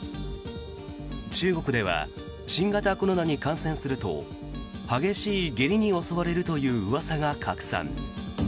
中国では新型コロナに感染すると激しい下痢に襲われるといううわさが拡散。